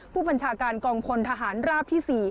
ผู้บัญชาการกองพลทหารราบที่๔